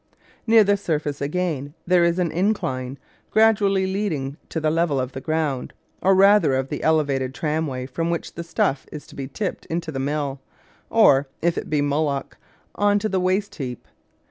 Near the surface, again, there is an incline, gradually leading to the level of the ground, or rather of the elevated tramway from which the stuff is to be tipped into the mill, or, if it be mullock, on to the waste heap.